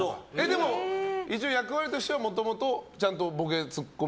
でも一応役割としてもともとちゃんとボケ、ツッコミ。